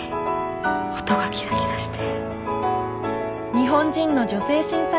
音がキラキラして。